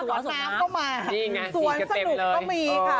น้ำก็มาสวนสนุกก็มีค่ะ